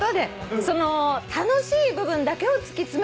その楽しい部分だけを突き詰めて。